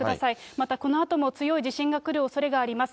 またこのあとも強い地震が来るおそれがあります。